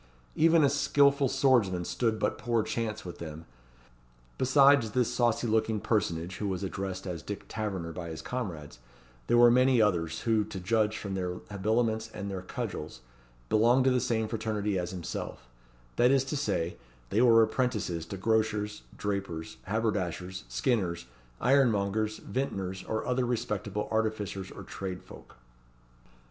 Even a skilful swordsman stood but poor chance with them. Besides this saucy looking personage, who was addressed as Dick Taverner by his comrades, there were many others, who, to judge from their habiliments and their cudgels, belonged to the same fraternity as himself; that is to say, they were apprentices to grocers, drapers, haberdashers, skinners, ironmongers, vintners, or other respectable artificers or tradesfolk.